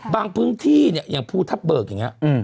พื้นที่เนี่ยอย่างภูทับเบิกอย่างนี้